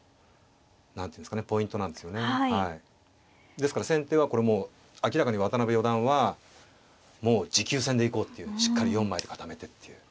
ですから先手はこれもう明らかに渡辺四段はもう持久戦で行こうっていうしっかり４枚で固めてっていう。